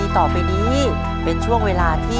ตอบถูก๒ข้อรับ๑๐๐๐บาท